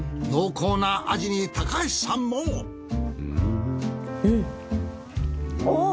濃厚な味に高橋さんも。